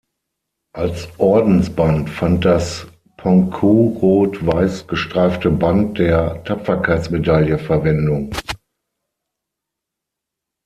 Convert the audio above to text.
Als Ordensband fand das ponceaurot-weiß gestreifte Band der Tapferkeitsmedaille Verwendung.